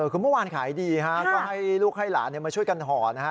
คือเมื่อวานขายดีฮะก็ให้ลูกให้หลานมาช่วยกันห่อนะฮะ